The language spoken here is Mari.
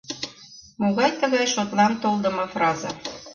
Могай тыгай шотлан толдымо фраза: